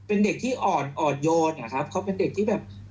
เป็นเด็กที่อ่อนอ่อนโยนนะครับเขาเป็นเด็กที่แบบ